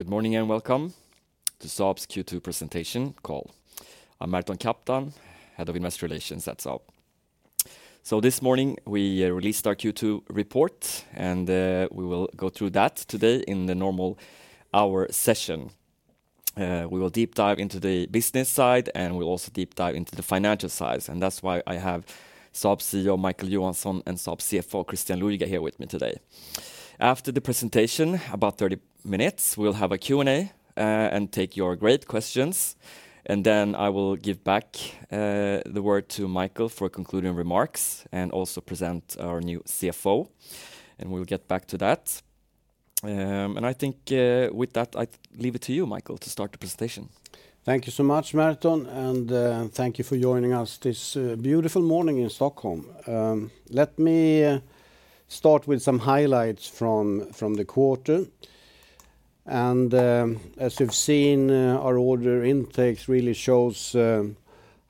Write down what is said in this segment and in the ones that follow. Good morning, and welcome to Saab's Q2 Presentation Call. I'm Merton Kaplan, Head of Investor Relations at Saab. This morning, we released our Q2 report, and we will go through that today in the normal hour session. We will deep dive into the business side, and we'll also deep dive into the financial side, and that's why I have Saab CEO Micael Johansson and Saab CFO Christian Luiga here with me today. After the presentation, about 30 minutes, we'll have a Q&A, and take your great questions, and then I will give back the word to Micael for concluding remarks and also present our new CFO, and we'll get back to that. I think, with that, I leave it to you, Micael, to start the presentation. Thank you so much, Merton, and thank you for joining us this beautiful morning in Stockholm. Let me start with some highlights from the quarter. As you've seen, our order intakes really shows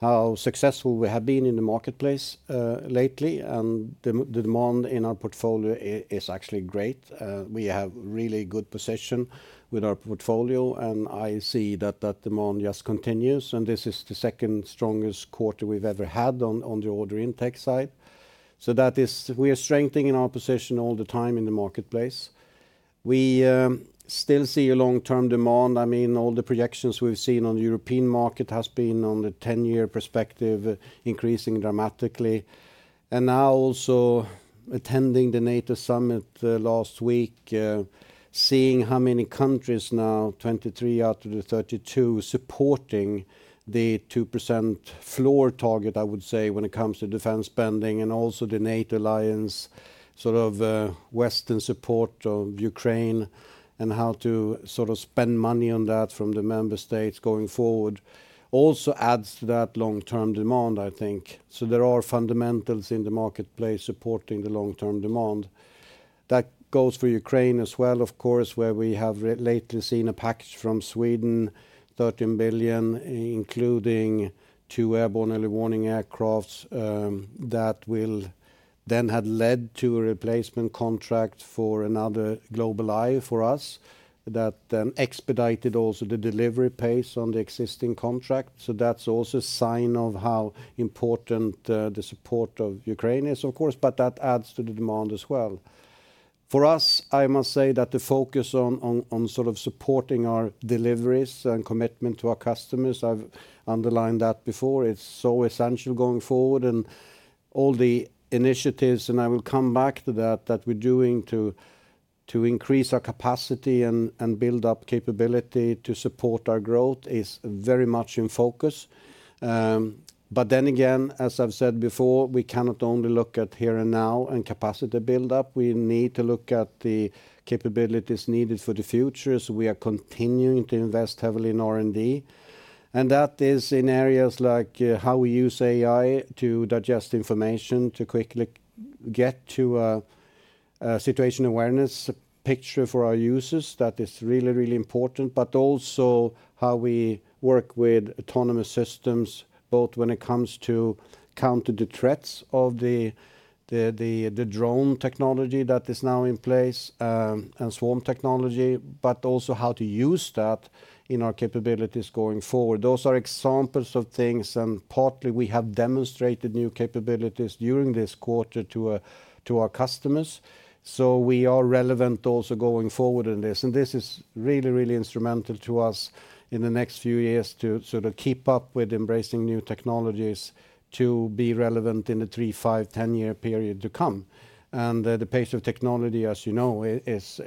how successful we have been in the marketplace lately, and the demand in our portfolio is actually great. We have really good position with our portfolio, and I see that that demand just continues, and this is the second strongest quarter we've ever had on the order intake side. So that is we are strengthening our position all the time in the marketplace. We still see a long-term demand. I mean, all the projections we've seen on the European market has been on the 10-year perspective, increasing dramatically. And now also attending the NATO summit last week, seeing how many countries now, 23 out of the 32, supporting the 2% floor target, I would say, when it comes to defense spending and also the NATO alliance, sort of, Western support of Ukraine and how to sort of spend money on that from the member states going forward, also adds to that long-term demand, I think. So there are fundamentals in the marketplace supporting the long-term demand. That goes for Ukraine as well, of course, where we have recently seen a package from Sweden, 13 billion, including two airborne early warning aircrafts, that will then have led to a replacement contract for another GlobalEye for us. That then expedited also the delivery pace on the existing contract, so that's also a sign of how important the support of Ukraine is, of course, but that adds to the demand as well. For us, I must say that the focus on sort of supporting our deliveries and commitment to our customers, I've underlined that before, it's so essential going forward, and all the initiatives, and I will come back to that, that we're doing to increase our capacity and build up capability to support our growth is very much in focus. But then again, as I've said before, we cannot only look at here and now and capacity build-up. We need to look at the capabilities needed for the future, so we are continuing to invest heavily in R&D, and that is in areas like how we use AI to digest information to quickly get to a situation awareness picture for our users. That is really, really important, but also how we work with autonomous systems, both when it comes to counter the threats of the drone technology that is now in place, and swarm technology, but also how to use that in our capabilities going forward. Those are examples of things, and partly we have demonstrated new capabilities during this quarter to our customers, so we are relevant also going forward in this. This is really, really instrumental to us in the next few years to sort of keep up with embracing new technologies to be relevant in the three, five, 10-year period to come. The pace of technology, as you know, is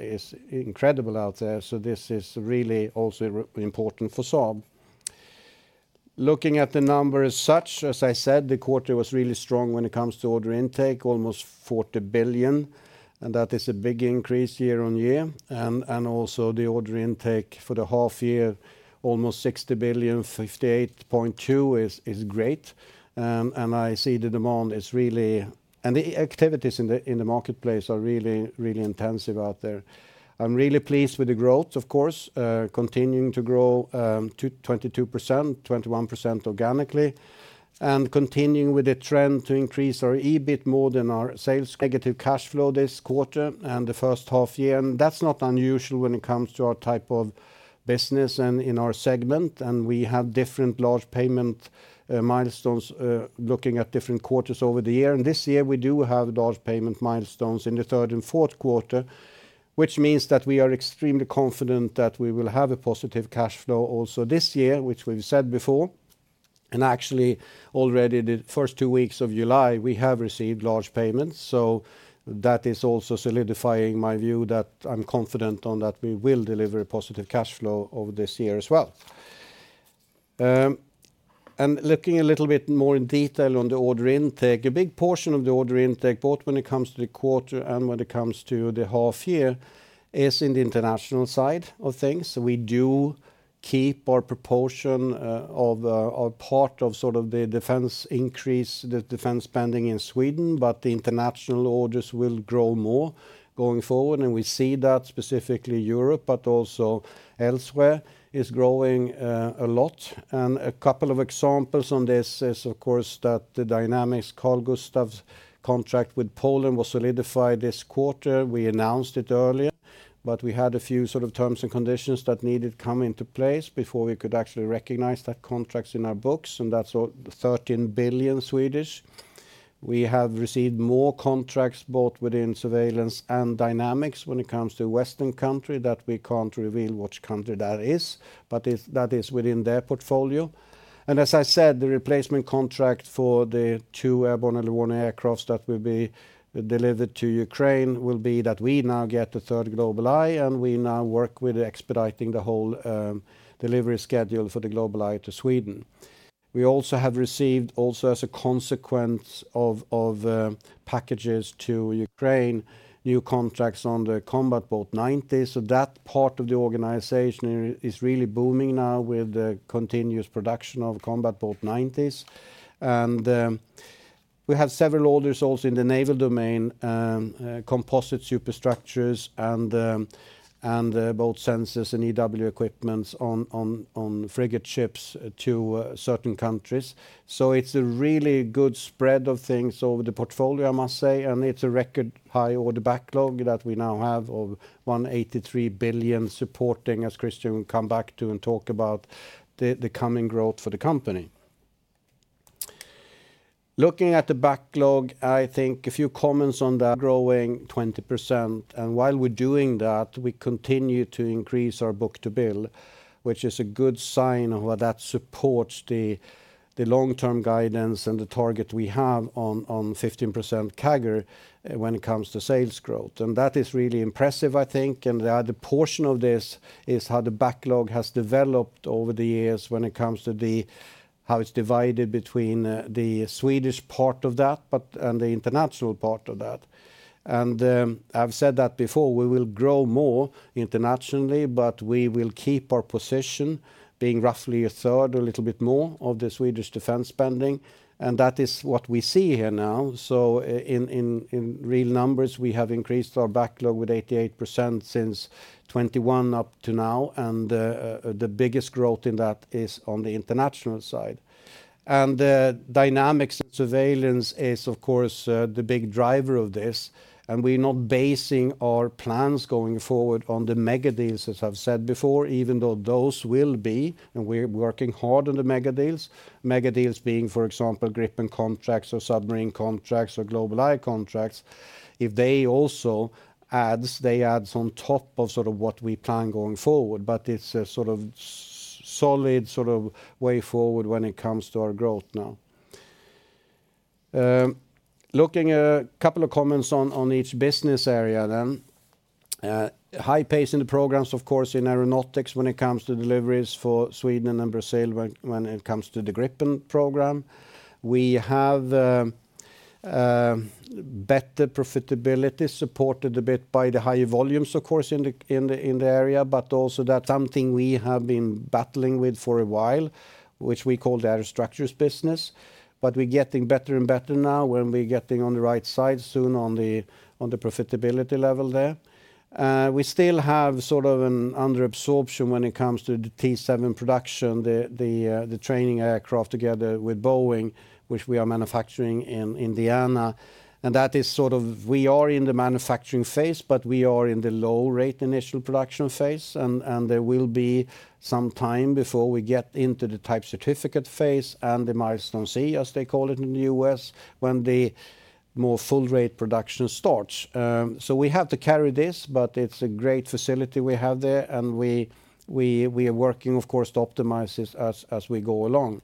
incredible out there, so this is really also important for Saab. Looking at the numbers as such, as I said, the quarter was really strong when it comes to order intake, almost 40 billion, and that is a big increase year-on-year, and also the order intake for the half year, almost 60 billion, 58.2 billion, is great. I see the demand is really. The activities in the marketplace are really, really intensive out there. I'm really pleased with the growth, of course, continuing to grow to 22%, 21% organically, and continuing with the trend to increase our EBIT more than our sales negative cash flow this quarter and the first half year. That's not unusual when it comes to our type of business and in our segment, and we have different large payment milestones looking at different quarters over the year. This year, we do have large payment milestones in the third and fourth quarter, which means that we are extremely confident that we will have a positive cash flow also this year, which we've said before. Actually, already the first two weeks of July, we have received large payments, so that is also solidifying my view that I'm confident on that we will deliver a positive cash flow over this year as well. Looking a little bit more in detail on the order intake, a big portion of the order intake, both when it comes to the quarter and when it comes to the half year, is in the international side of things. So we do keep our proportion, of our part of sort of the defense increase, the defense spending in Sweden, but the international orders will grow more going forward, and we see that specifically Europe, but also elsewhere, is growing, a lot. A couple of examples on this is, of course, that the Dynamics Carl-Gustaf contract with Poland was solidified this quarter. We announced it earlier, but we had a few sort of terms and conditions that needed come into place before we could actually recognize that contracts in our books, and that's 13 billion. We have received more contracts, both within Surveillance and Dynamics when it comes to a Western country that we can't reveal which country that is, but it's that is within their portfolio. And as I said, the replacement contract for the two airborne early warning aircrafts that will be delivered to Ukraine will be that we now get a third GlobalEye, and we now work with expediting the whole delivery schedule for the GlobalEye to Sweden. We also have received, also as a consequence of, of packages to Ukraine, new contracts on the Combat Boat 90. So that part of the organization is really booming now with the continuous production of Combat Boat 90s. And we have several orders also in the naval domain, composite superstructures and both Sensors and EW equipment on frigate ships to certain countries. So it's a really good spread of things over the portfolio, I must say, and it's a record high order backlog that we now have of 183 billion, supporting, as Christian will come back to and talk about, the coming growth for the company. Looking at the backlog, I think a few comments on that, growing 20%, and while we're doing that, we continue to increase our book-to-bill, which is a good sign of where that supports the long-term guidance and the target we have on 15% CAGR when it comes to sales growth. That is really impressive, I think, and the other portion of this is how the backlog has developed over the years when it comes to the how it's divided between the Swedish part of that, but, and the international part of that. I've said that before, we will grow more internationally, but we will keep our position, being roughly a third, a little bit more, of the Swedish defense spending. That is what we see here now. So in real numbers, we have increased our backlog with 88% since 2021 up to now, and the biggest growth in that is on the international side. And the Dynamics, Surveillance is, of course, the big driver of this, and we're not basing our plans going forward on the mega deals, as I've said before, even though those will be, and we're working hard on the mega deals. Mega deals being, for example, Gripen contracts or submarine contracts or GlobalEye contracts. If they also adds, they adds on top of sort of what we plan going forward. But it's a sort of solid sort of way forward when it comes to our growth now. Looking a couple of comments on each business area then. High pace in the programs, of course, in Aeronautics when it comes to deliveries for Sweden and Brazil, when it comes to the Gripen program. We have better profitability, supported a bit by the higher volumes, of course, in the area, but also that's something we have been battling with for a while, which we call the Aerostructures business. But we're getting better and better now when we're getting on the right side soon on the profitability level there. We still have sort of an under-absorption when it comes to the T-7 production, the training aircraft together with Boeing, which we are manufacturing in Indiana. And that is sort of... We are in the manufacturing phase, but we are in the low-rate initial production phase, and there will be some time before we get into the Type Certificate phase and the Milestone C, as they call it in the U.S., when the more full-rate production starts. So we have to carry this, but it's a great facility we have there, and we are working, of course, to optimize this as we go along.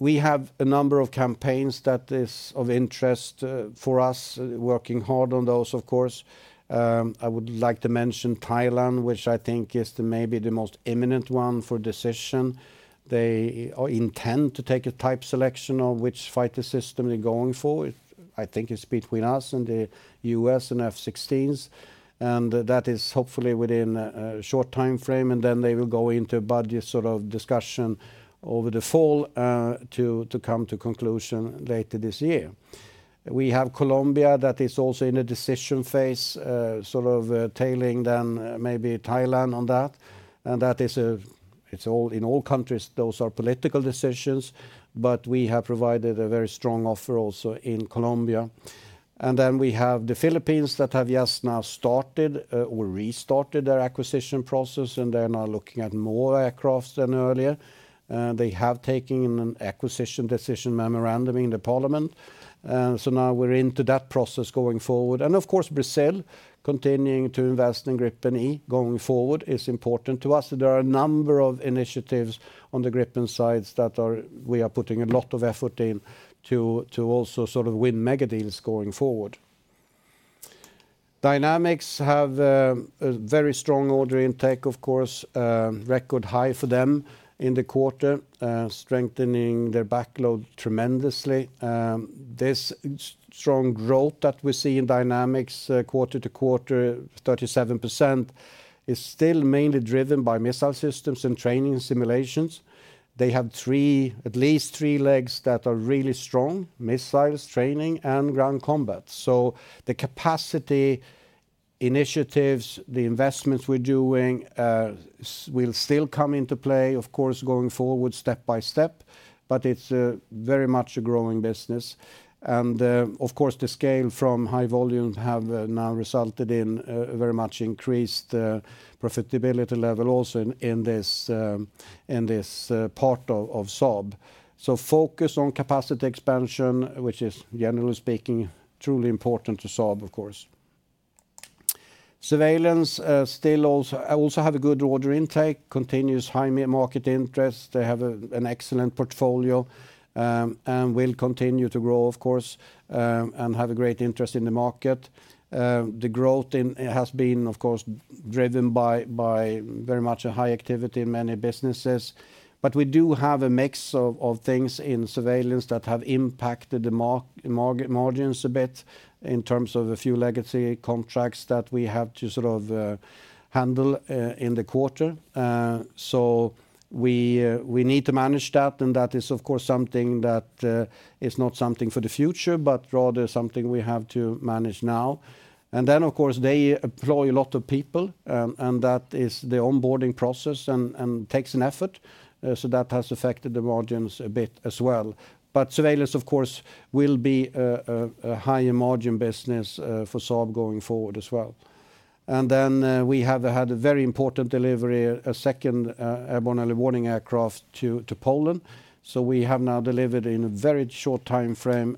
We have a number of campaigns that is of interest for us, working hard on those, of course. I would like to mention Thailand, which I think is maybe the most imminent one for decision. They intend to take a type selection of which fighter system they're going for. I think it's between us and the U.S. and F-16s, and that is hopefully within a short timeframe, and then they will go into a budget sort of discussion over the fall to come to conclusion later this year. We have Colombia that is also in a decision phase, sort of tailing then maybe Thailand on that. And that is—it's all in all countries, those are political decisions, but we have provided a very strong offer also in Colombia. And then we have the Philippines that have just now started or restarted their acquisition process, and they're now looking at more aircrafts than earlier. They have taken an acquisition decision memorandum in the parliament, so now we're into that process going forward. And of course, Brazil, continuing to invest in Gripen E going forward is important to us. There are a number of initiatives on the Gripen sides that we are putting a lot of effort into to also sort of win mega deals going forward. Dynamics have a very strong order intake, of course, record high for them in the quarter, strengthening their backlog tremendously. This strong growth that we see in Dynamics, quarter-over-quarter, 37%, is still mainly driven by missile systems and training simulations. They have three, at least three legs that are really strong: missiles, training, and ground combat. So the capacity initiatives, the investments we're doing, will still come into play, of course, going forward step by step, but it's very much a growing business. Of course, the scale from high volume have now resulted in very much increased profitability level also in this part of Saab. So focus on capacity expansion, which is, generally speaking, truly important to Saab, of course... Surveillance still also have a good order intake, continuous high market interest. They have an excellent portfolio and will continue to grow, of course, and have a great interest in the market. The growth has been, of course, driven by very much a high activity in many businesses. But we do have a mix of things in Surveillance that have impacted the margins a bit in terms of a few legacy contracts that we have to sort of handle in the quarter. So we need to manage that, and that is, of course, something that is not something for the future, but rather something we have to manage now. And then, of course, they employ a lot of people, and that is the onboarding process and takes an effort. So that has affected the margins a bit as well. But Surveillance, of course, will be a higher margin business for Saab going forward as well. And then we have had a very important delivery, a second airborne early warning aircraft to Poland. So we have now delivered in a very short timeframe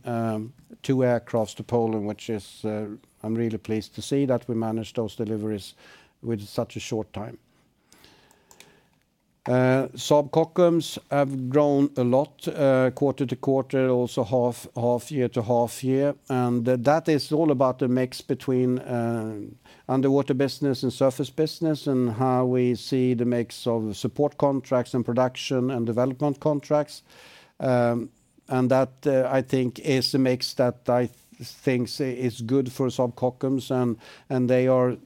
two aircrafts to Poland, which is, I'm really pleased to see that we managed those deliveries with such a short time. Saab Kockums have grown a lot quarter to quarter, also half year to half year. And that is all about the mix between underwater business and surface business, and how we see the mix of support contracts and production and development contracts. And that I think is a mix that I think is good for Saab Kockums, and they are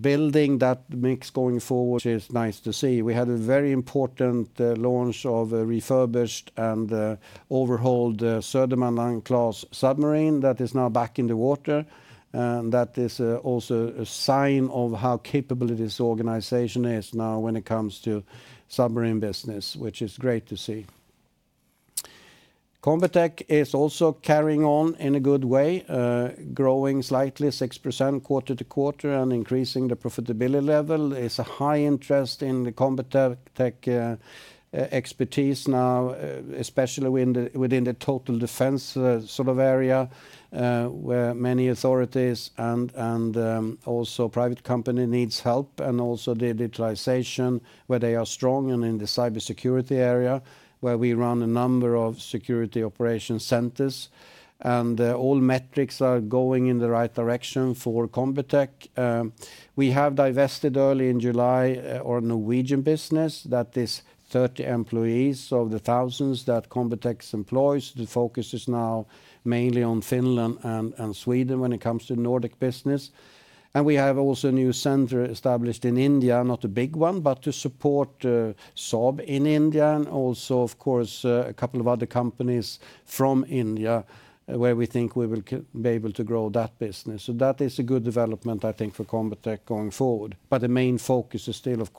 building that mix going forward, which is nice to see. We had a very important launch of a refurbished and overhauled Södermanland-class submarine that is now back in the water. And that is also a sign of how capable this organization is now when it comes to submarine business, which is great to see. Combitech is also carrying on in a good way, growing slightly 6% quarter-over-quarter and increasing the profitability level. There's a high interest in the Combitech tech expertise now, especially within the total defense sort of area, where many authorities and also private company needs help, and also the digitalization, where they are strong, and in the cybersecurity area, where we run a number of security operation centers. And all metrics are going in the right direction for Combitech. We have divested early in July our Norwegian business. That is 30 employees of the thousands that Combitech employs. The focus is now mainly on Finland and Sweden when it comes to Nordic business. And we have also a new center established in India, not a big one, but to support Saab in India, and also, of course, a couple of other companies from India, where we think we will be able to grow that business. So that is a good development, I think, for Combitech going forward. But the main focus is still, of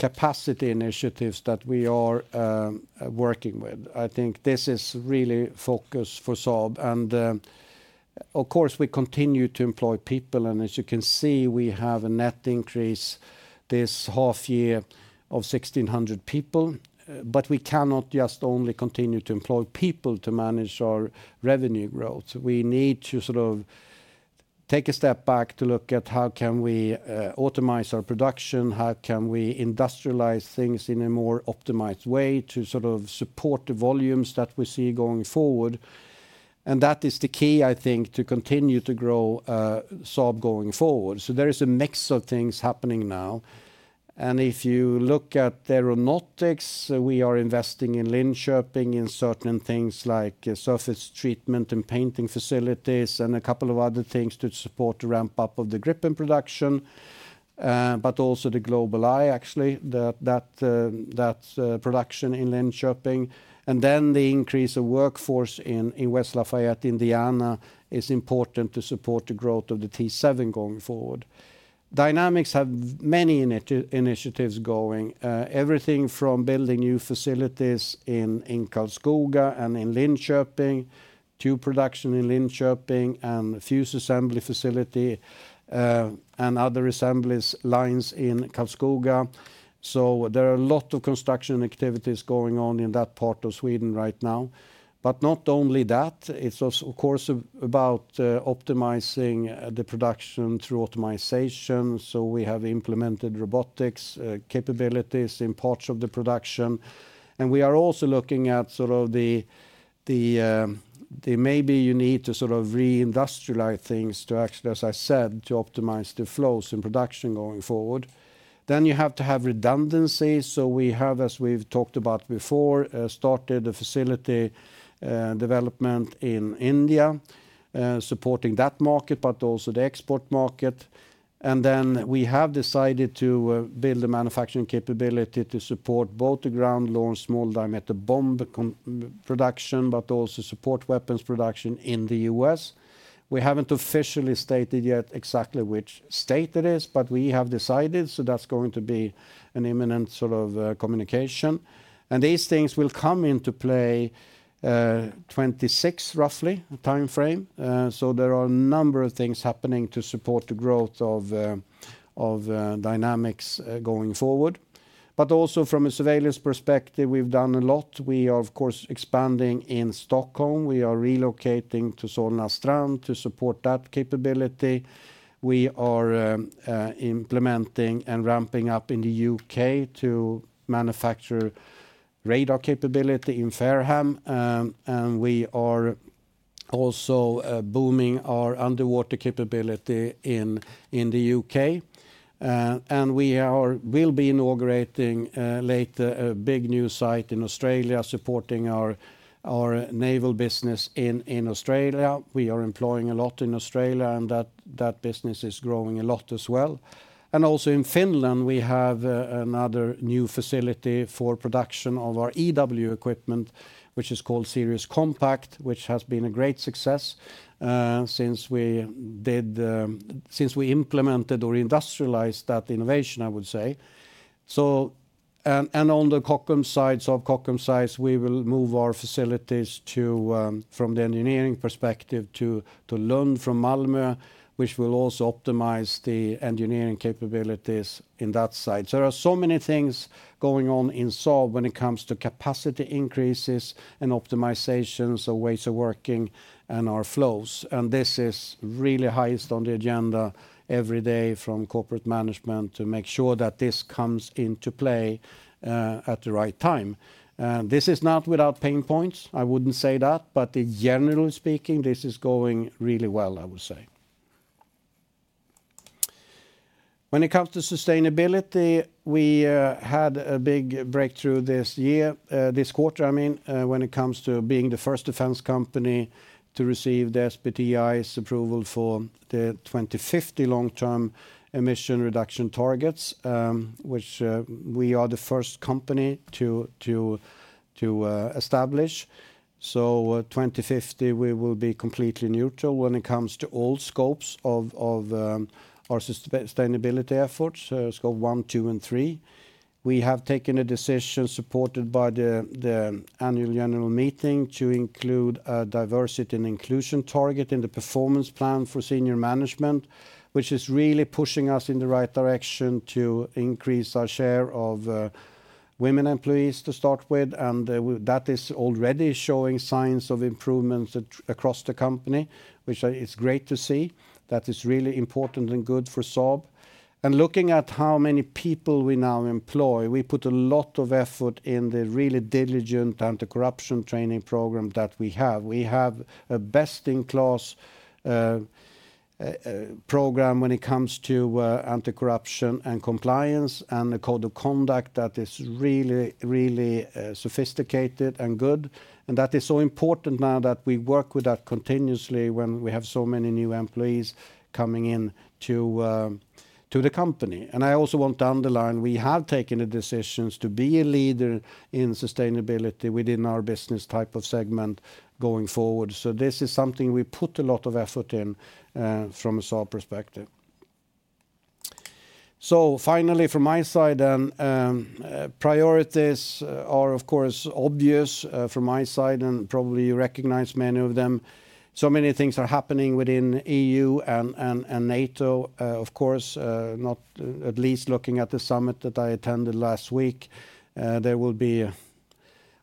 course, the Nordic business. Digging in a little bit more in the capacity initiatives that we are working with, I think this is really focus for Saab. And, of course, we continue to employ people, and as you can see, we have a net increase this half year of 1,600 people. But we cannot just only continue to employ people to manage our revenue growth. We need to sort of take a step back to look at how can we, optimize our production, how can we industrialize things in a more optimized way to sort of support the volumes that we see going forward? And that is the key, I think, to continue to grow, Saab going forward. So there is a mix of things happening now. And if you look at aeronautics, we are investing in Linköping, in certain things like surface treatment and painting facilities, and a couple of other things to support the ramp-up of the Gripen production, but also the GlobalEye, actually, that production in Linköping. And then the increase of workforce in West Lafayette, Indiana, is important to support the growth of the T-7 going forward. Dynamics have many initiatives going, everything from building new facilities in Karlskoga and in Linköping, to production in Linköping, and fuse assembly facility, and other assembly lines in Karlskoga. So there are a lot of construction activities going on in that part of Sweden right now. But not only that, it's also, of course, about optimizing the production through optimization. So we have implemented robotics capabilities in parts of the production. And we are also looking at sort of the maybe you need to sort of re-industrialize things to actually, as I said, to optimize the flows in production going forward. Then you have to have redundancies. So we have, as we've talked about before, started a facility development in India, supporting that market, but also the export market. We have decided to build a manufacturing capability to support both the Ground-Launched Small Diameter Bomb production, but also support weapons production in the U.S. We haven't officially stated yet exactly which state it is, but we have decided, so that's going to be an imminent sort of communication. These things will come into play, 2026, roughly, the timeframe. So there are a number of things happening to support the growth of Dynamics going forward, but also from a Surveillance perspective, we've done a lot. We are, of course, expanding in Stockholm. We are relocating to Solna Strand to support that capability. We are implementing and ramping up in the U.K. to manufacture radar capability in Fareham. And we are also booming our underwater capability in the U.K. And we will be inaugurating later a big new site in Australia supporting our naval business in Australia. We are employing a lot in Australia, and that business is growing a lot as well. And also in Finland, we have another new facility for production of our EW equipment, which is called Sirius Compact, which has been a great success since we implemented or industrialized that innovation, I would say. So, and on the Kockums sites, we will move our facilities from the engineering perspective to Lund from Malmö, which will also optimize the engineering capabilities in that site. There are so many things going on in Saab when it comes to capacity increases and optimization, so ways of working and our flows, and this is really highest on the agenda every day from corporate management to make sure that this comes into play at the right time. This is not without pain points, I wouldn't say that, but generally speaking, this is going really well, I would say. When it comes to sustainability, we had a big breakthrough this year, this quarter, I mean, when it comes to being the first defense company to receive the SBTI's approval for the 2050 long-term emission reduction targets, which we are the first company to establish. So, 2050, we will be completely neutral when it comes to all scopes of our sustainability efforts, Scope 1, 2, and 3. We have taken a decision supported by the annual general meeting to include a diversity and inclusion target in the performance plan for senior management, which is really pushing us in the right direction to increase our share of women employees, to start with, and that is already showing signs of improvements across the company, which is great to see. That is really important and good for Saab. And looking at how many people we now employ, we put a lot of effort in the really diligent anti-corruption training program that we have. We have a best-in-class program when it comes to anti-corruption and compliance, and a code of conduct that is really, really sophisticated and good. That is so important now that we work with that continuously when we have so many new employees coming in to the company. I also want to underline, we have taken the decisions to be a leader in sustainability within our business type of segment going forward. This is something we put a lot of effort in from a Saab perspective. Finally, from my side, priorities are, of course, obvious from my side, and probably you recognize many of them. Many things are happening within EU and NATO. Of course, not at least looking at the summit that I attended last week, there will be,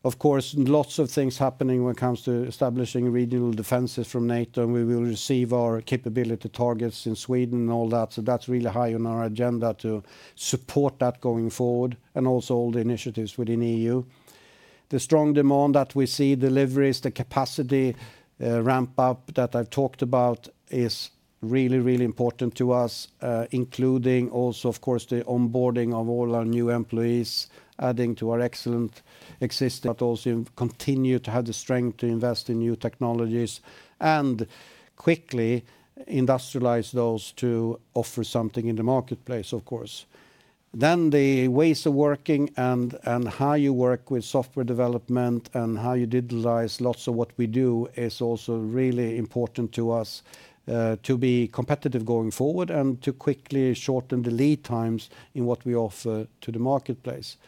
of course, lots of things happening when it comes to establishing regional defenses from NATO, and we will receive our capability targets in Sweden and all that. So that's really high on our agenda to support that going forward and also all the initiatives within EU. The strong demand that we see, deliveries, the capacity ramp up that I've talked about is really, really important to us, including also, of course, the onboarding of all our new employees, adding to our excellent existing, but also continue to have the strength to invest in new technologies and quickly industrialize those to offer something in the marketplace, of course. Then the ways of working and, and how you work with software development and how you digitalize lots of what we do is also really important to us, to be competitive going forward and to quickly shorten the lead times in what we offer to the marketplace.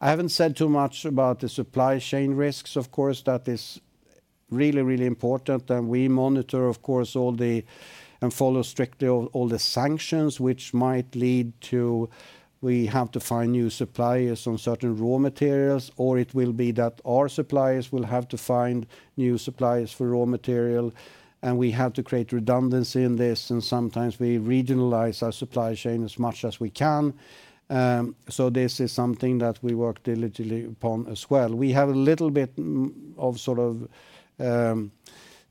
I haven't said too much about the supply chain risks, of course, that is really, really important, and we monitor, of course, all the... and follow strictly all, all the sanctions, which might lead to we have to find new suppliers on certain raw materials, or it will be that our suppliers will have to find new suppliers for raw material, and we have to create redundancy in this, and sometimes we regionalize our supply chain as much as we can. So this is something that we work diligently upon as well. We have a little bit of sort of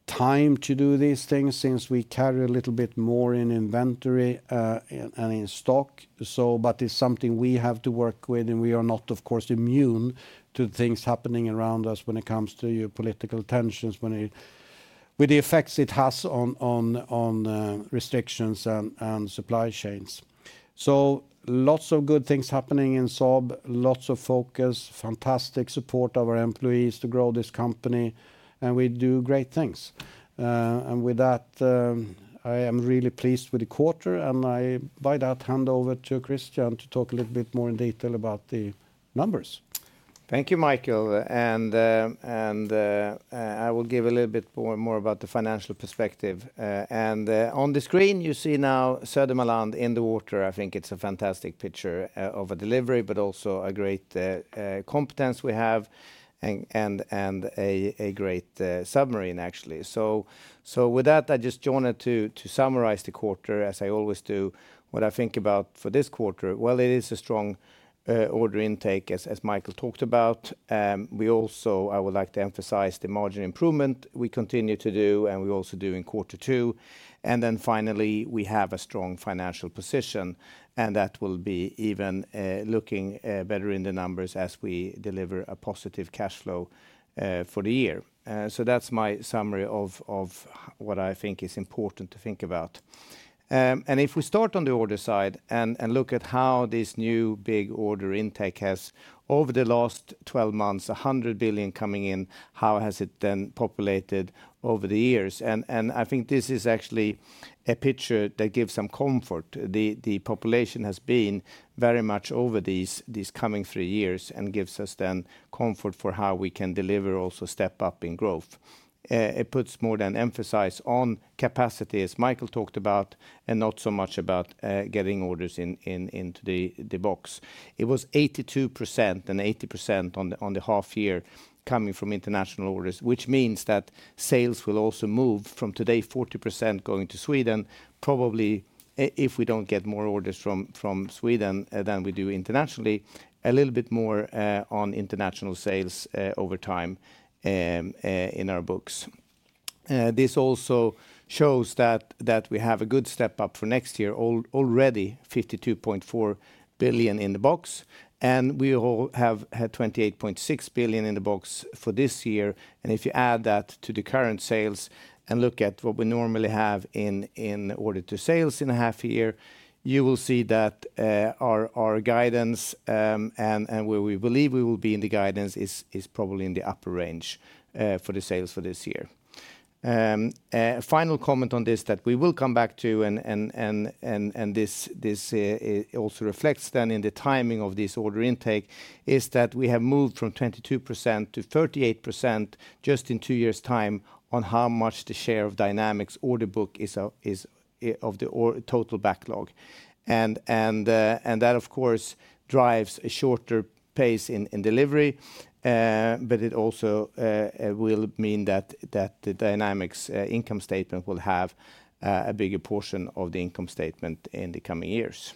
time to do these things since we carry a little bit more in inventory and in stock. So but it's something we have to work with, and we are not, of course, immune to things happening around us when it comes to political tensions, with the effects it has on restrictions and supply chains. So lots of good things happening in Saab, lots of focus, fantastic support of our employees to grow this company, and we do great things. And with that, I am really pleased with the quarter, and I, by that, hand over to Christian to talk a little bit more in detail about the numbers. ...Thank you, Micael. I will give a little bit more and more about the financial perspective. On the screen, you see now Södermanland in the water. I think it's a fantastic picture of a delivery, but also a great competence we have, and a great submarine, actually. So with that, I just wanted to summarize the quarter, as I always do. What I think about for this quarter, well, it is a strong order intake, as Micael talked about. We also, I would like to emphasize the margin improvement we continue to do, and we also do in quarter two. And then finally, we have a strong financial position, and that will be even looking better in the numbers as we deliver a positive cash flow for the year. So that's my summary of what I think is important to think about. And if we start on the order side and look at how this new big order intake has, over the last 12 months, 100 billion coming in, how has it then populated over the years? And I think this is actually a picture that gives some comfort. The population has been very much over these coming three years, and gives us then comfort for how we can deliver, also step up in growth. It puts more than emphasize on capacity, as Micael talked about, and not so much about getting orders into the books. It was 82%, and 80% on the half year, coming from international orders, which means that sales will also move from today, 40% going to Sweden, probably if we don't get more orders from Sweden than we do internationally, a little bit more on international sales over time in our books. This also shows that we have a good step up for next year. Already 52.4 billion in the books, and we all have had 28.6 billion in the books for this year. And if you add that to the current sales and look at what we normally have in order to sales in a half year, you will see that our guidance and where we believe we will be in the guidance is probably in the upper range for the sales for this year. Final comment on this, that we will come back to, and this it also reflects then in the timing of this order intake, is that we have moved from 22% to 38%, just in two years' time, on how much the share of Dynamics order book is of the total backlog. That, of course, drives a shorter pace in delivery, but it also will mean that the Dynamics income statement will have a bigger portion of the income statement in the coming years.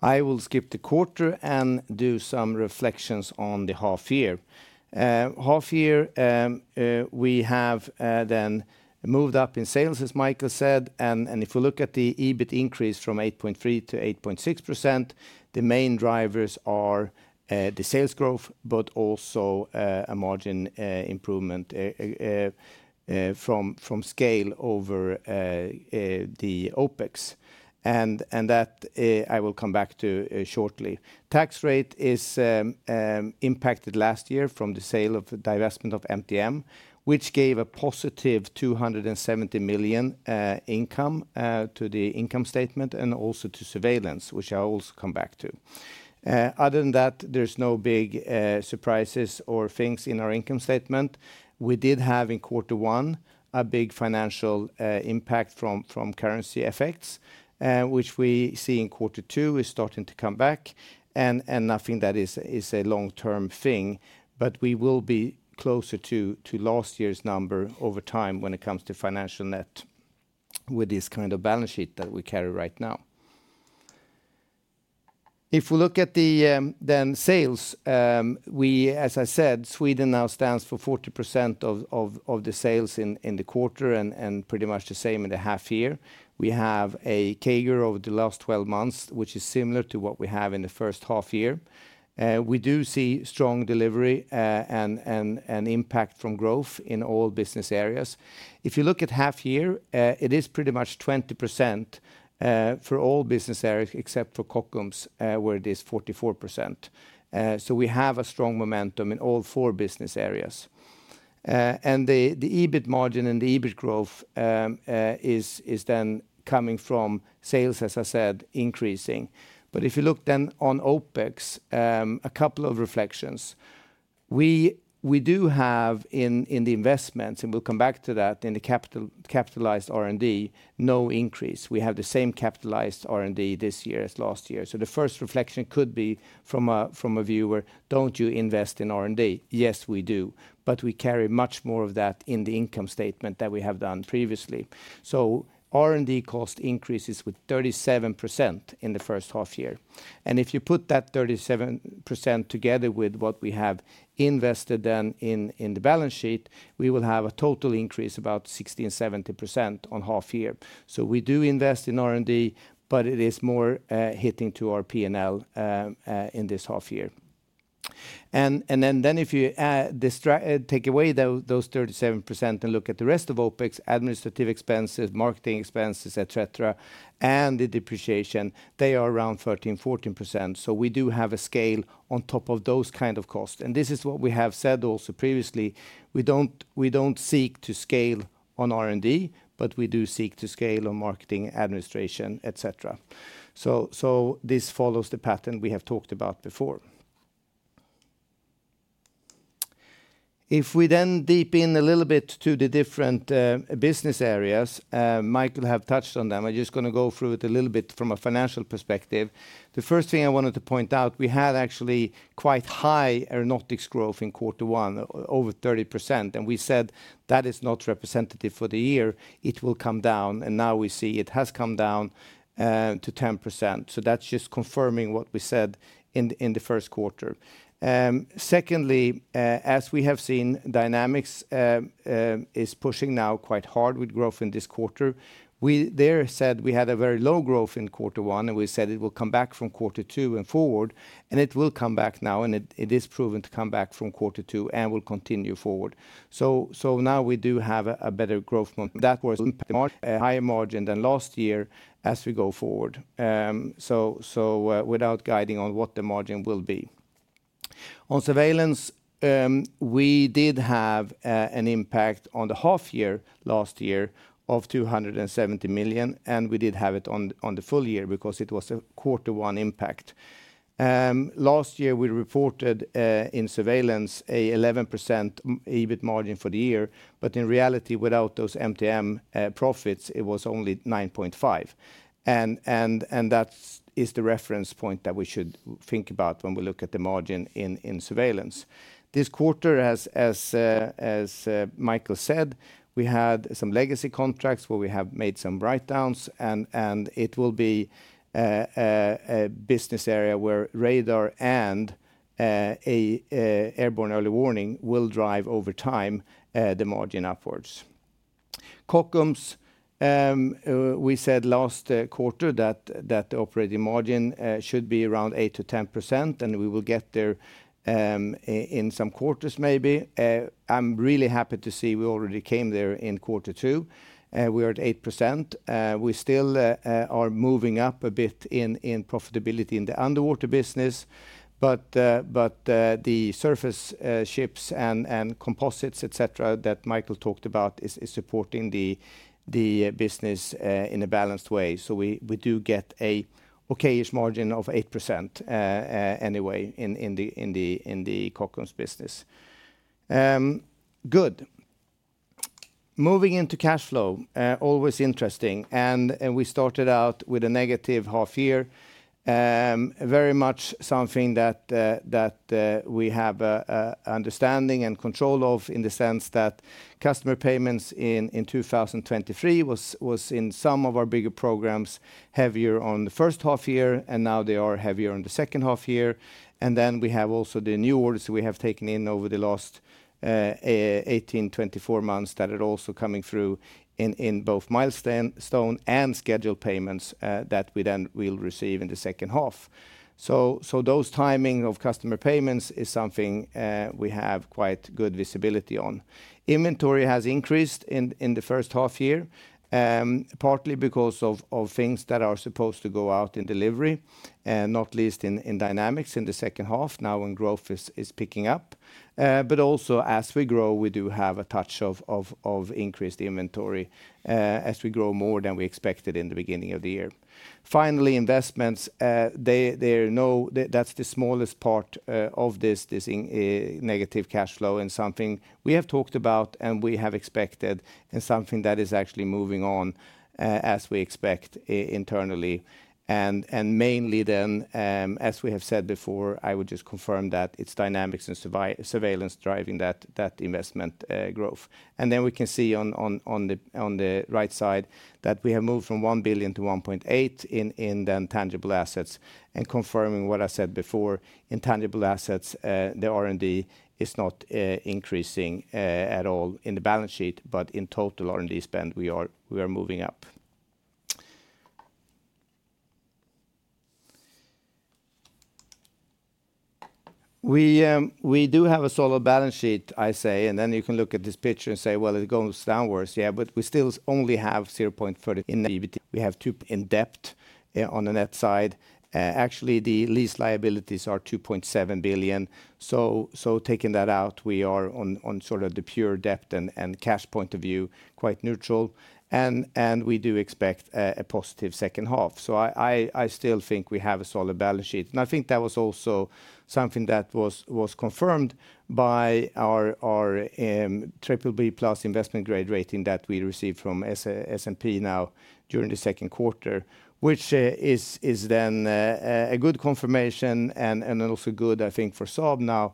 I will skip the quarter and do some reflections on the half year. Half year, we have then moved up in sales, as Micael said, and if you look at the EBIT increase from 8.3%-8.6%, the main drivers are the sales growth, but also a margin from scale over the OpEx. And that I will come back to shortly. Tax rate is impacted last year from the sale of the divestment of MTM, which gave a positive 270 million income to the income statement, and also to Surveillance, which I will also come back to. Other than that, there's no big surprises or things in our income statement. We did have, in quarter one, a big financial impact from currency effects, which we see in quarter two is starting to come back, and nothing that is a long-term thing. But we will be closer to last year's number over time when it comes to financial net with this kind of balance sheet that we carry right now. If we look at the then sales, as I said, Sweden now stands for 40% of the sales in the quarter, and pretty much the same in the half year. We have a CAGR over the last 12 months, which is similar to what we have in the first half year. We do see strong delivery and impact from growth in all business areas. If you look at half year, it is pretty much 20% for all business areas, except for Kockums, where it is 44%. So we have a strong momentum in all four business areas. And the EBIT margin and the EBIT growth is then coming from sales, as I said, increasing. But if you look then on OpEx, a couple of reflections. We do have in the investments, and we'll come back to that, in the capitalized R&D, no increase. We have the same capitalized R&D this year as last year. So the first reflection could be from a viewer: "Don't you invest in R&D?" Yes, we do, but we carry much more of that in the income statement than we have done previously. So R&D cost increases with 37% in the first half year, and if you put that 37% together with what we have invested then in the balance sheet, we will have a total increase about 60%-70% on half year. So we do invest in R&D, but it is more hitting to our P&L in this half year. Then if you take away those 37% and look at the rest of OpEx, administrative expenses, marketing expenses, et cetera, and the depreciation, they are around 13%-14%. So we do have a scale on top of those kind of costs, and this is what we have said also previously. We don't seek to scale on R&D, but we do seek to scale on marketing, administration, et cetera. So this follows the pattern we have talked about before. If we then dive in a little bit to the different business areas, Micael have touched on them. I'm just gonna go through it a little bit from a financial perspective. The first thing I wanted to point out, we had actually quite high Aeronautics growth in quarter one, over 30%, and we said that is not representative for the year, it will come down. Now we see it has come down to 10%. That's just confirming what we said in the first quarter. Secondly, as we have seen, Dynamics is pushing now quite hard with growth in this quarter. We there said we had a very low growth in quarter one, and we said it will come back from quarter two and forward, and it will come back now, and it is proven to come back from quarter two and will continue forward. So now we do have a better growth month. That was a higher margin than last year as we go forward. So, without guiding on what the margin will be. On Surveillance, we did have an impact on the half year, last year of 270 million, and we did have it on the full year because it was a quarter one impact. Last year, we reported in Surveillance an 11% EBIT margin for the year, but in reality, without those MTM profits, it was only 9.5%. And that is the reference point that we should think about when we look at the margin in Surveillance. This quarter, as Micael said, we had some legacy contracts where we have made some write-downs, and it will be a business area where radar and airborne early warning will drive over time the margin upwards. Kockums, we said last quarter that operating margin should be around 8%-10%, and we will get there in some quarters, maybe. I'm really happy to see we already came there in quarter two, we are at 8%. We still are moving up a bit in profitability in the underwater business, but the surface ships and composites, et cetera, that Micael talked about is supporting the business in a balanced way. So we do get a okay-ish margin of 8% anyway in the Kockums business. Good. Moving into cash flow, always interesting, and we started out with a negative half year. Very much something that we have an understanding and control of, in the sense that customer payments in 2023 was in some of our bigger programs heavier on the first half year, and now they are heavier on the second half year. And then we have also the new orders we have taken in over the last 18-24 months that are also coming through in both milestones and scheduled payments that we then will receive in the second half. So those timing of customer payments is something we have quite good visibility on. Inventory has increased in the first half year, partly because of things that are supposed to go out in delivery, and not least in Dynamics in the second half, now when growth is picking up. But also as we grow, we do have a touch of increased inventory, as we grow more than we expected in the beginning of the year. Finally, investments. That's the smallest part of this negative cash flow, and something we have talked about, and we have expected, and something that is actually moving on, as we expect internally. And mainly then, as we have said before, I would just confirm that it's Dynamics and Surveillance driving that investment growth. And then we can see on the right side, that we have moved from 1 billion-1.8 billion in the intangible assets. Confirming what I said before, intangible assets, the R&D is not increasing at all in the balance sheet, but in total R&D spend, we are moving up. We do have a solid balance sheet, I say, and then you can look at this picture and say, "Well, it goes downwards." Yeah, but we still only have 0.30 in EBIT. We have 2% net debt on the net side. Actually, the lease liabilities are 2.7 billion. So, taking that out, we are on sort of the pure debt and cash point of view, quite neutral, and we do expect a positive second half. So I still think we have a solid balance sheet, and I think that was also something that was confirmed by our our triple B plus investment grade rating that we received from S&P now during the second quarter, which is then a good confirmation and also good, I think, for Saab now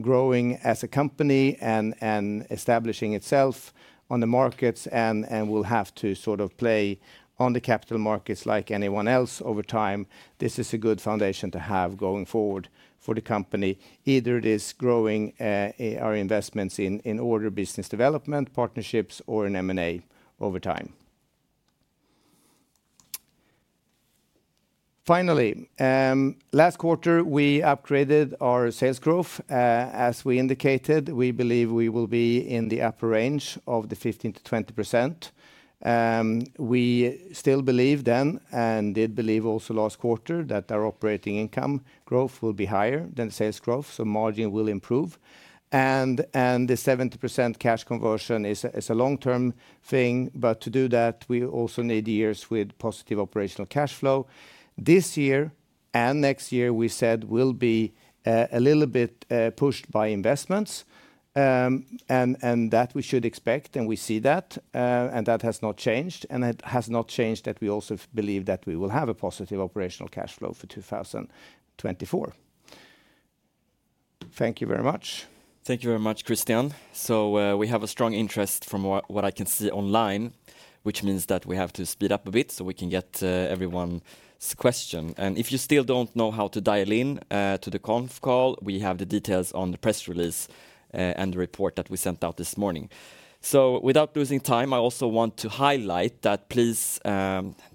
growing as a company and establishing itself on the markets and will have to sort of play on the capital markets like anyone else over time. This is a good foundation to have going forward for the company. Either it is growing our investments in order business development, partnerships, or in M&A over time. Finally, last quarter, we upgraded our sales growth. As we indicated, we believe we will be in the upper range of the 15%-20%. We still believe then, and did believe also last quarter, that our operating income growth will be higher than sales growth, so margin will improve. And the 70% cash conversion is a long-term thing, but to do that, we also need years with positive operational cash flow. This year-... and next year we said will be a little bit pushed by investments. And that we should expect, and we see that, and that has not changed, and it has not changed that we also believe that we will have a positive operational cash flow for 2024. Thank you very much. Thank you very much, Christian. So, we have a strong interest from what I can see online, which means that we have to speed up a bit so we can get everyone's question. And if you still don't know how to dial in to the conf call, we have the details on the press release and the report that we sent out this morning. So without losing time, I also want to highlight that please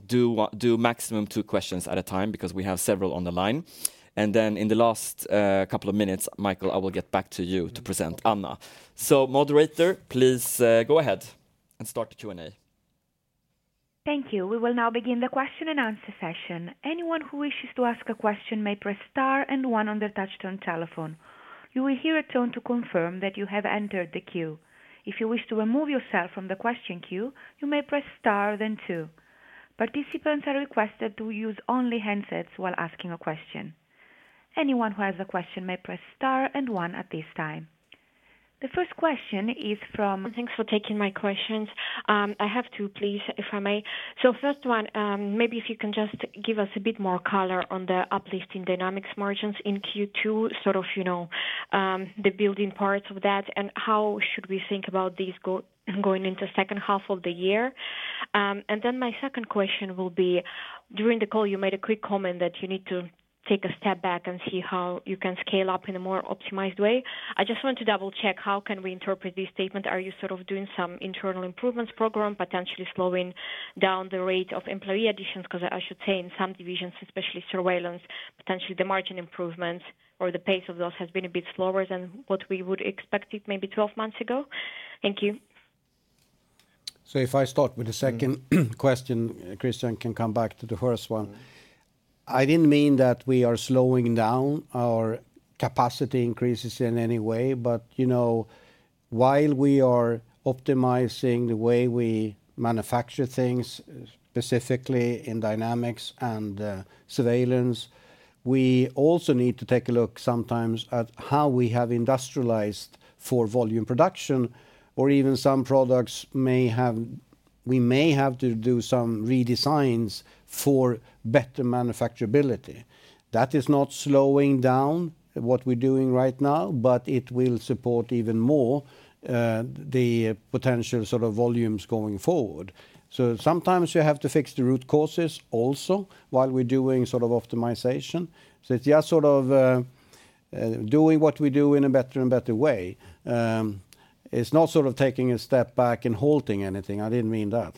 do maximum two questions at a time, because we have several on the line. And then in the last couple of minutes, Micael, I will get back to you to present Anna. So moderator, please go ahead and start the Q&A. Thank you. We will now begin the question and answer session. Anyone who wishes to ask a question may press star and one on their touch-tone telephone. You will hear a tone to confirm that you have entered the queue. If you wish to remove yourself from the question queue, you may press star, then two. Participants are requested to use only handsets while asking a question. Anyone who has a question may press star and one at this time. The first question is from- Thanks for taking my questions. I have two please, if I may. So first one, maybe if you can just give us a bit more color on the uplifting Dynamics margins in Q2, sort of, you know, the building parts of that, and how should we think about these going into second half of the year? And then my second question will be, during the call, you made a quick comment that you need to take a step back and see how you can scale up in a more optimized way. I just want to double-check, how can we interpret this statement? Are you sort of doing some internal improvements program, potentially slowing down the rate of employee additions? 'Cause I should say, in some divisions, especially Surveillance, potentially the margin improvements or the pace of those has been a bit slower than what we would expected maybe 12 months ago. Thank you. So if I start with the second question, Christian can come back to the first one. I didn't mean that we are slowing down our capacity increases in any way. But, you know, while we are optimizing the way we manufacture things, specifically in Dynamics and Surveillance, we also need to take a look sometimes at how we have industrialized for volume production, or even some products may have, we may have to do some redesigns for better manufacturability. That is not slowing down what we're doing right now, but it will support even more, the potential sort of volumes going forward. So sometimes you have to fix the root causes also, while we're doing sort of optimization. So it's just sort of, doing what we do in a better and better way. It's not sort of taking a step back and halting anything. I didn't mean that.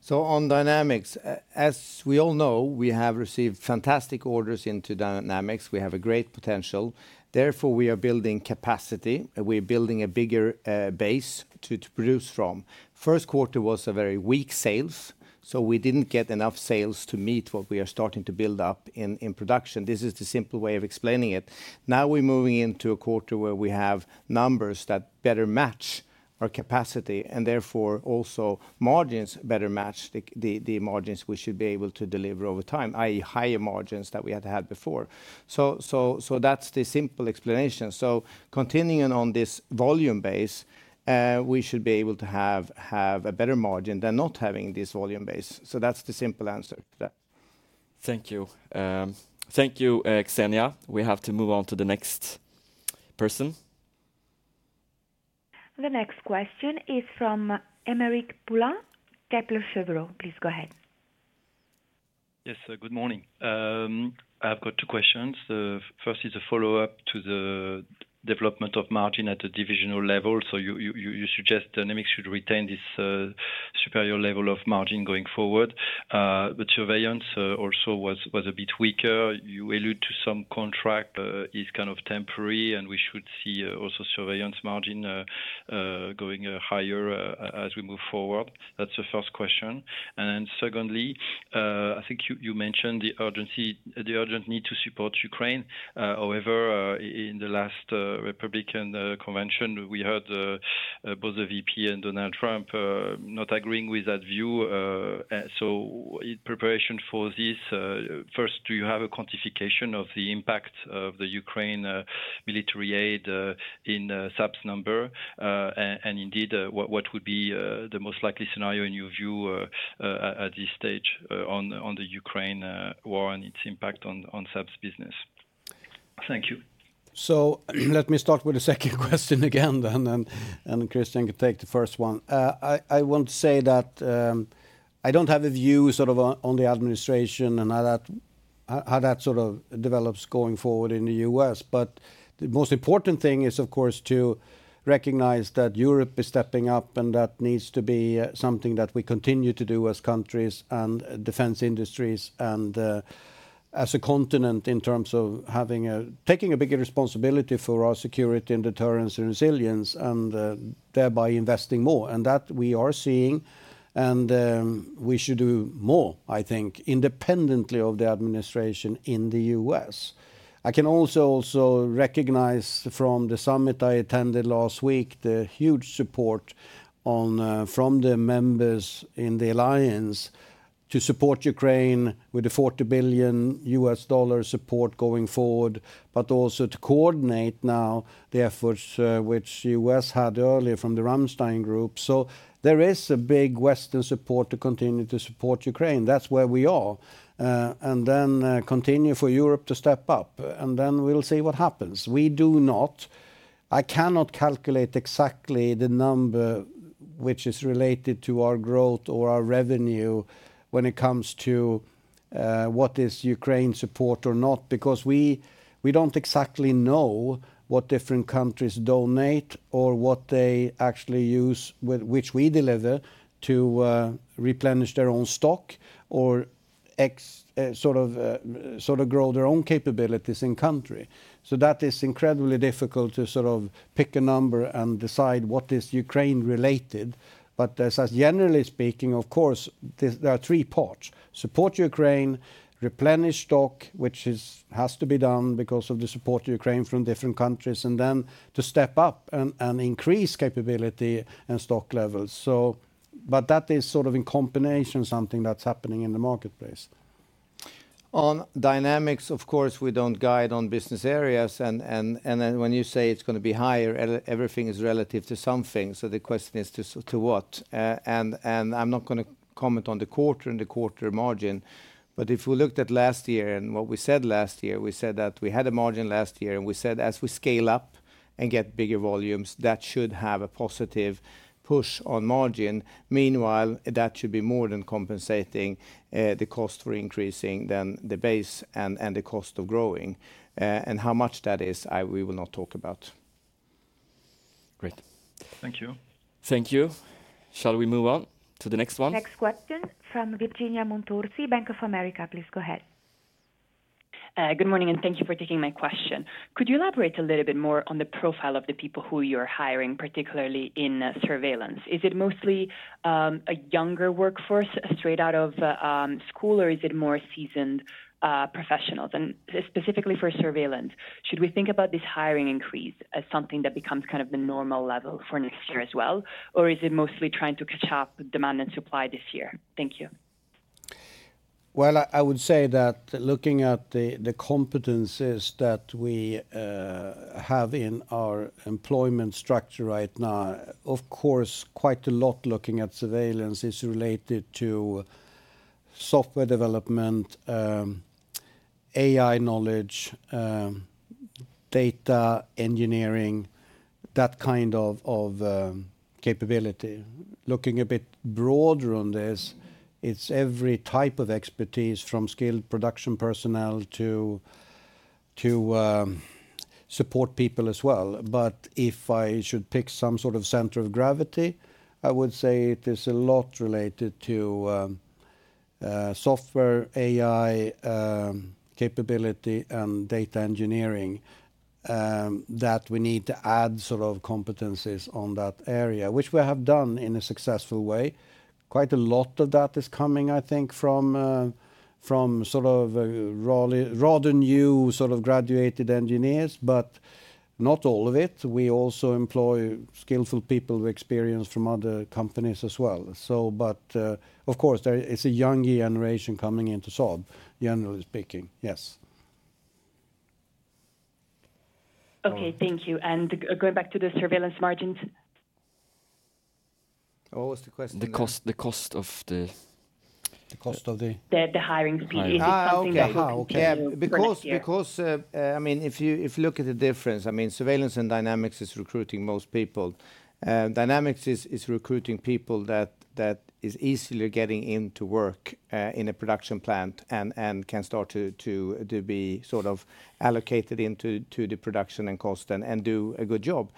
So on Dynamics, as we all know, we have received fantastic orders into Dynamics. We have a great potential. Therefore, we are building capacity. We're building a bigger base to produce from. First quarter was a very weak sales, so we didn't get enough sales to meet what we are starting to build up in production. This is the simple way of explaining it. Now, we're moving into a quarter where we have numbers that better match our capacity, and therefore also margins better match the the margins we should be able to deliver over time, i.e., higher margins than we had had before. So that's the simple explanation. So continuing on this volume base, we should be able to have a better margin than not having this volume base. So that's the simple answer to that. Thank you. Thank you, Ksenia. We have to move on to the next person. The next question is from Aymeric Poulain, Kepler Cheuvreux. Please go ahead. Yes, good morning. I've got two questions. The first is a follow-up to the development of margin at the divisional level. So you suggest Dynamics should retain this superior level of margin going forward. But Surveillance also was a bit weaker. You allude to some contract is kind of temporary, and we should see also Surveillance margin going higher as we move forward. That's the first question. And secondly, I think you mentioned the urgent need to support Ukraine. However, in the last Republican convention, we heard both the VP and Donald Trump not agreeing with that view. So in preparation for this first, do you have a quantification of the impact of the Ukraine military aid in Saab's number? And indeed, what would be the most likely scenario in your view at this stage on the Ukraine war and its impact on Saab's business? Thank you. So let me start with the second question again then, and Christian can take the first one. I want to say that I don't have a view sort of on the administration and how that sort of develops going forward in the U.S. But the most important thing is, of course, to recognize that Europe is stepping up, and that needs to be something that we continue to do as countries and defense industries and as a continent in terms of taking a bigger responsibility for our security and deterrence and resilience, and thereby investing more. And that we are seeing, and we should do more, I think, independently of the administration in the U.S. I can also recognize from the summit I attended last week, the huge support on from the members in the alliance to support Ukraine with the $40 billion support going forward, but also to coordinate now the efforts, which U.S. had earlier from the Ramstein group. So there is a big Western support to continue to support Ukraine. That's where we are. And then continue for Europe to step up, and then we'll see what happens. I cannot calculate exactly the number which is related to our growth or our revenue when it comes to what is Ukraine support or not, because we don't exactly know what different countries donate or what they actually use, which we deliver, to replenish their own stock or sort of grow their own capabilities in country. That is incredibly difficult to sort of pick a number and decide what is Ukraine related. But, generally speaking, of course, there are three parts: support Ukraine, replenish stock, which is has to be done because of the support to Ukraine from different countries, and then to step up and increase capability and stock levels. So, but that is sort of in combination, something that's happening in the marketplace. On Dynamics, of course, we don't guide on business areas, and then when you say it's going to be higher, everything is relative to something. So the question is to what? And I'm not going to comment on the quarter and the quarter margin. But if we looked at last year and what we said last year, we said that we had a margin last year, and we said as we scale up and get bigger volumes, that should have a positive push on margin. Meanwhile, that should be more than compensating the cost for increasing the base and the cost of growing. And how much that is, we will not talk about. Great. Thank you. Thank you. Shall we move on to the next one? Next question from Virginia Montorsi, Bank of America. Please go ahead. Good morning, and thank you for taking my question. Could you elaborate a little bit more on the profile of the people who you're hiring, particularly in Surveillance? Is it mostly a younger workforce straight out of school, or is it more seasoned professionals? And specifically for Surveillance, should we think about this hiring increase as something that becomes kind of the normal level for next year as well, or is it mostly trying to catch up with demand and supply this year? Thank you. Well, I would say that looking at the competencies that we have in our employment structure right now, of course, quite a lot looking at Surveillance is related to software development, AI knowledge, data engineering, that kind of capability. Looking a bit broader on this, it's every type of expertise from skilled production personnel to support people as well. But if I should pick some sort of center of gravity, I would say it is a lot related to software, AI capability, and data engineering that we need to add sort of competencies on that area, which we have done in a successful way. Quite a lot of that is coming, I think, from sort of rather new, sort of graduated engineers, but not all of it. We also employ skillful people with experience from other companies as well. Of course, there is a young generation coming in to Saab, generally speaking. Yes. Okay, thank you. Going back to the Surveillance margins. What was the question again? The cost of the- The cost of the- The hiring people. Ah, okay. If it's something you continue for next year. Because, I mean, if you look at the difference, I mean, Surveillance and Dynamics is recruiting most people. Dynamics is recruiting people that is easily getting into work in a production plant and can start to be sort of allocated into the production and cost and do a good job.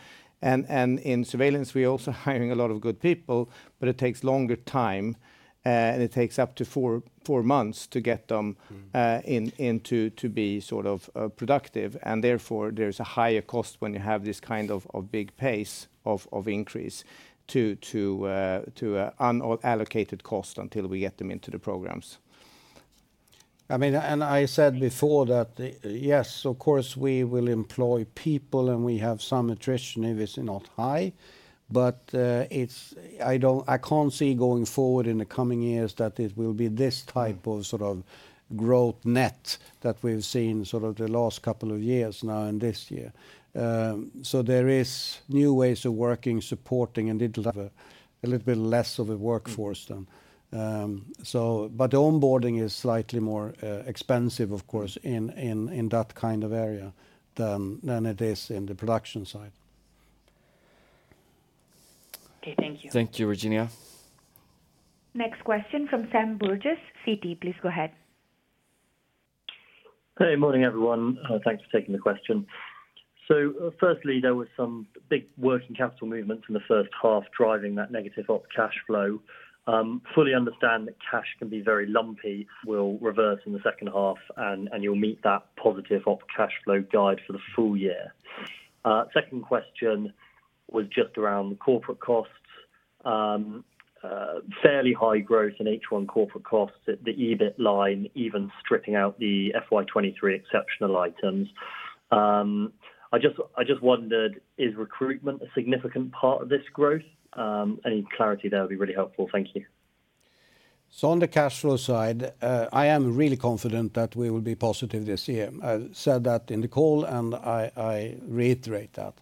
And in Surveillance, we are also hiring a lot of good people, but it takes longer time, and it takes up to four months to get them in to be sort of productive. And therefore, there's a higher cost when you have this kind of big pace of increase to unallocated cost until we get them into the programs. I mean, and I said before that, yes, of course, we will employ people, and we have some attrition, if it's not high, but I can't see going forward in the coming years that it will be this type of sort of growth net that we've seen sort of the last couple of years now and this year. So there is new ways of working, supporting, and it'll have a little bit less of a workforce then. But the onboarding is slightly more expensive, of course, in that kind of area than it is in the production side. Okay, thank you. Thank you, Virginia. Next question from Sam Burgess, Citi. Please go ahead. Hey, morning, everyone. Thanks for taking the question. So firstly, there was some big working capital movement in the first half, driving that negative operating cash flow. Fully understand that cash can be very lumpy, will reverse in the second half, and you'll meet that positive operating cash flow guide for the full year. Second question was just around the corporate costs. Fairly high growth in H1 corporate costs, the EBIT line, even stripping out the FY 2023 exceptional items. I just wondered, is recruitment a significant part of this growth? Any clarity there would be really helpful. Thank you. So on the cash flow side, I am really confident that we will be positive this year. I said that in the call, and I, I reiterate that.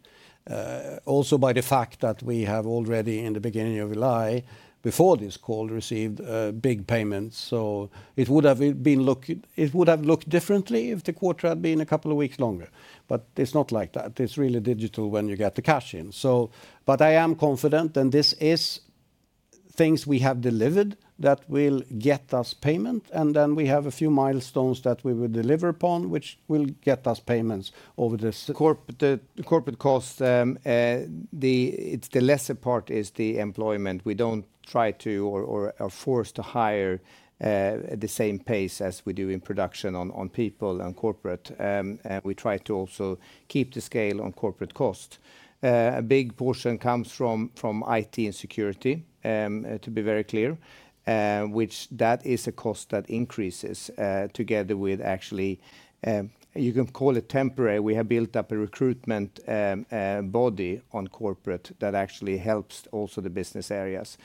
Also by the fact that we have already, in the beginning of July, before this call, received big payments. So it would have looked differently if the quarter had been a couple of weeks longer. But it's not like that. It's really digital when you get the cash in. So but I am confident, and this is things we have delivered that will get us payment, and then we have a few milestones that we will deliver upon, which will get us payments over this. The corporate costs, it's the lesser part is the employment. We don't try to or are forced to hire at the same pace as we do in production on people and corporate. And we try to also keep the scale on corporate cost. A big portion comes from IT and security, to be very clear, which that is a cost that increases together with actually you can call it temporary. We have built up a recruitment body on corporate that actually helps also the business areas.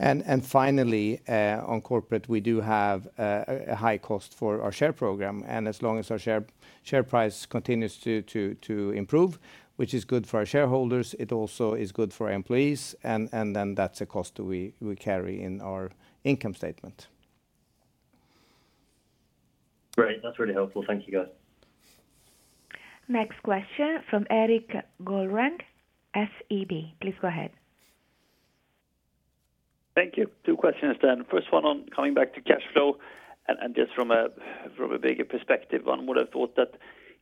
And finally on corporate, we do have a high cost for our share program. And as long as our share price continues to improve, which is good for our shareholders, it also is good for our employees. And then that's a cost we carry in our income statement. Great. That's really helpful. Thank you, guys. Next question from Erik Golrang, SEB. Please go ahead. Thank you. Two questions then. First one, on coming back to cash flow, and just from a bigger perspective, one would have thought that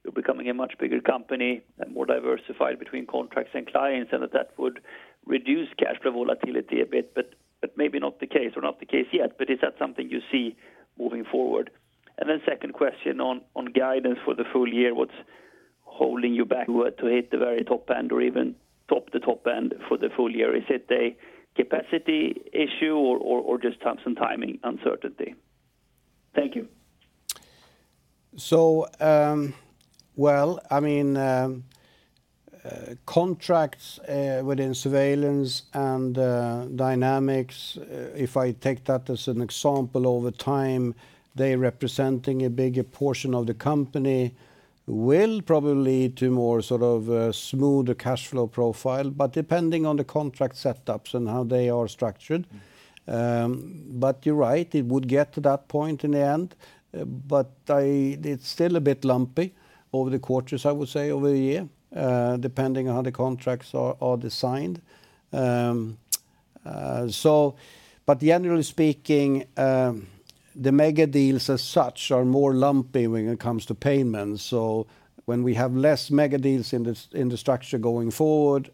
you're becoming a much bigger company and more diversified between contracts and clients, and that that would reduce cash flow volatility a bit, but maybe not the case or not the case yet. But is that something you see moving forward? And then second question on guidance for the full year, what's holding you back to hit the very top end or even top the top end for the full year? Is it a capacity issue or just some timing uncertainty? Thank you. So, well, I mean, contracts within Surveillance and Dynamics, if I take that as an example, over time, they representing a bigger portion of the company, will probably lead to more sort of smoother cash flow profile, but depending on the contract setups and how they are structured. But you're right, it would get to that point in the end, but it's still a bit lumpy over the quarters, I would say, over the year, depending on how the contracts are designed. So but generally speaking, the mega deals as such are more lumpy when it comes to payments. So when we have less mega deals in the structure going forward,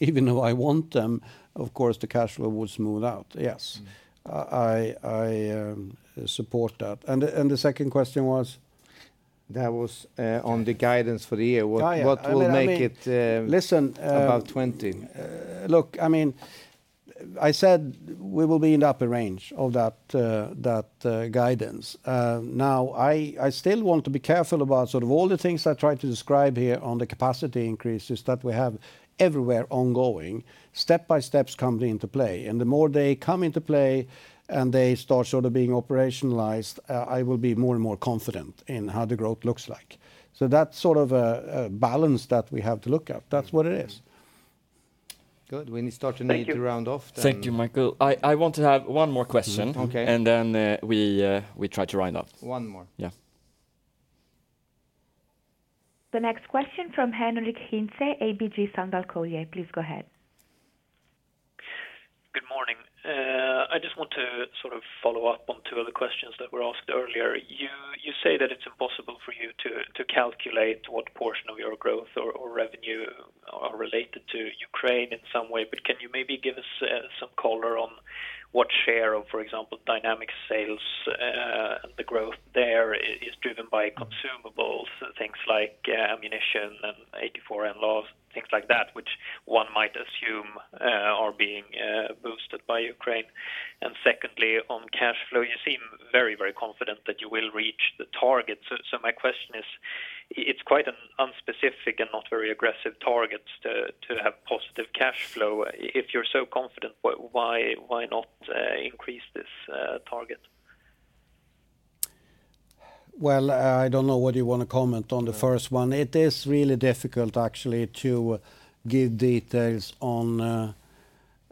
even though I want them, of course, the cash flow would smooth out. Yes, I support that. And the second question was? That was on the guidance for the year. Oh, yeah. What will make it? Listen, uh- - about 20? Look, I mean, I said we will be in the upper range of that guidance. Now, I still want to be careful about sort of all the things I tried to describe here on the capacity increases that we have everywhere ongoing, step by steps come into play. And the more they come into play and they start sort of being operationalized, I will be more and more confident in how the growth looks like. So that's sort of a balance that we have to look at. That's what it is. Good. We need to round off then. Thank you, Micael. I want to have one more question. Okay. And then we try to round off. One more. Yeah. The next question from Henric Hintze, ABG Sundal Collier. Please go ahead. Good morning. I just want to sort of follow up on two other questions that were asked earlier. You say that it's impossible for you to calculate what portion of your growth or revenue are related to Ukraine in some way, but can you maybe give us some color on what share of, for example, Dynamics sales and the growth there is driven by consumables, things like ammunition and AK-4, NLAWs, things like that, which one might assume are being boosted by Ukraine? And secondly, on cash flow, you seem very, very confident that you will reach the target. So my question is, it's quite an unspecific and not very aggressive targets to have positive cash flow. If you're so confident, why not increase this target? Well, I don't know what you want to comment on the first one. It is really difficult actually, to give details on,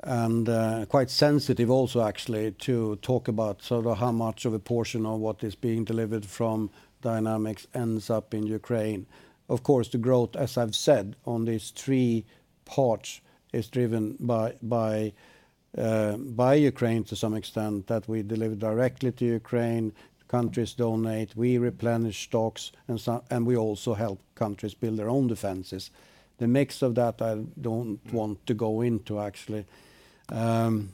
and, quite sensitive also, actually, to talk about sort of how much of a portion of what is being delivered from Dynamics ends up in Ukraine. Of course, the growth, as I've said, on these three parts, is driven by, by, by Ukraine to some extent, that we deliver directly to Ukraine. Countries donate, we replenish stocks, and we also help countries build their own defenses. The mix of that, I don't want to go into actually. Why,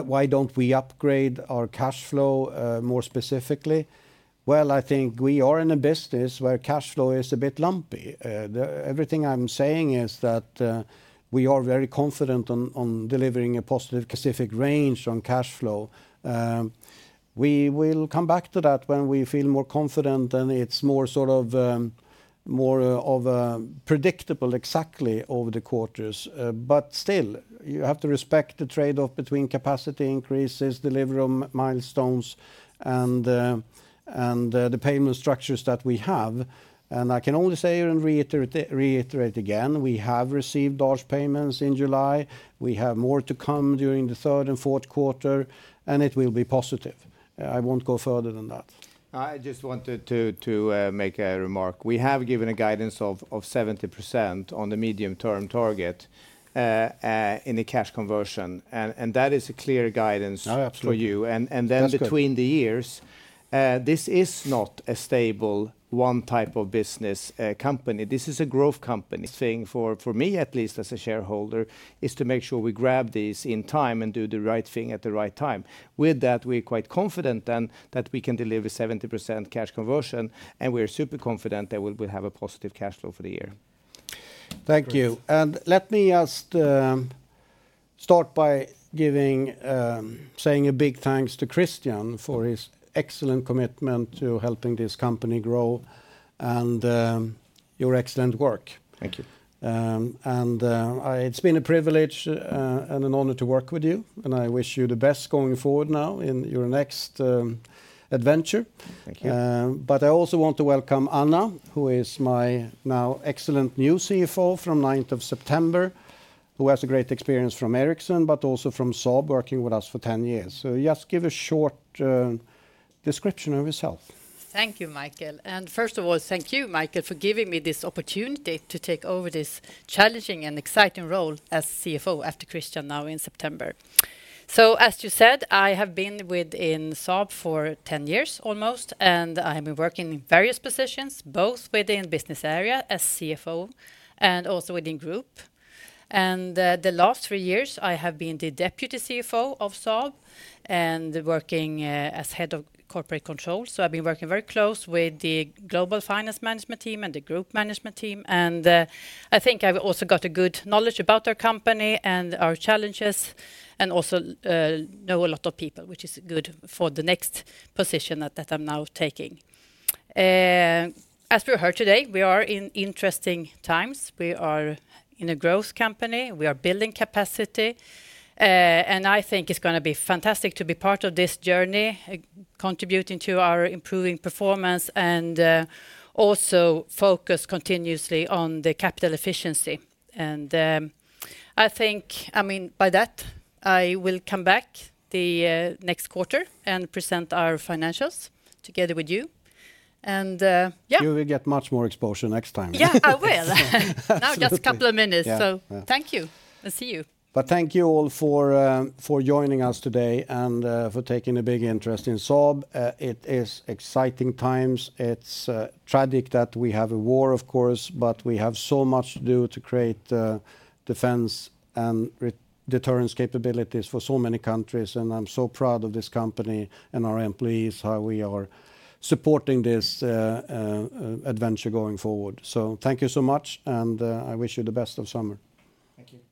why don't we upgrade our cash flow, more specifically? Well, I think we are in a business where cash flow is a bit lumpy. Everything I'm saying is that we are very confident on delivering a positive specific range on cash flow. We will come back to that when we feel more confident, and it's more sort of more of predictable exactly over the quarters. But still, you have to respect the trade-off between capacity increases, delivery milestones, and the payment structures that we have. I can only say and reiterate, reiterate again, we have received large payments in July. We have more to come during the third and fourth quarter, and it will be positive. I won't go further than that. I just wanted to make a remark. We have given a guidance of 70% on the medium-term target in the cash conversion, and that is a clear guidance. No, absolutely... for you. That's good. And then between the years, this is not a stable, one type of business, company. This is a growth company. The thing for me at least, as a shareholder, is to make sure we grab this in time and do the right thing at the right time. With that, we're quite confident then that we can deliver 70% cash conversion, and we're super confident that we'll have a positive cash flow for the year. Thank you. Let me just start by giving saying a big thanks to Christian for his excellent commitment to helping this company grow and your excellent work. Thank you. It's been a privilege and an honor to work with you, and I wish you the best going forward now in your next adventure. Thank you. I also want to welcome Anna, who is my now excellent new CFO from 9th of September, who has a great experience from Ericsson but also from Saab, working with us for 10 years. So just give a short description of yourself. Thank you, Micael. And first of all, thank you, Micael, for giving me this opportunity to take over this challenging and exciting role as CFO after Christian now in September. So as you said, I have been within Saab for 10 years almost, and I have been working in various positions, both within business area as CFO and also within group. And the last three years, I have been the deputy CFO of Saab and working as head of corporate control. So I've been working very close with the global finance management team and the group management team, and I think I've also got a good knowledge about our company and our challenges, and also know a lot of people, which is good for the next position that I'm now taking. As we heard today, we are in interesting times. We are in a growth company. We are building capacity, and I think it's gonna be fantastic to be part of this journey, contributing to our improving performance and, also focus continuously on the capital efficiency. And, I think... I mean, by that, I will come back the next quarter and present our financials together with you, and, yeah. You will get much more exposure next time. Yeah, I will. Now, just a couple of minutes. Yeah, yeah. Thank you, and see you. Thank you all for joining us today and for taking a big interest in Saab. It is exciting times. It's tragic that we have a war, of course, but we have so much to do to create defense and re-deterrence capabilities for so many countries, and I'm so proud of this company and our employees, how we are supporting this adventure going forward. So thank you so much, and I wish you the best of summer. Thank you.